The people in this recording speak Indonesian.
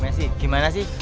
mesi gimana sih